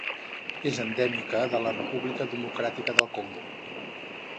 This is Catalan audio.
És endèmica de la República Democràtica del Congo.